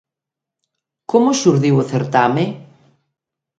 Como xurdiu o certame?